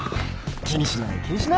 気にしない気にしない。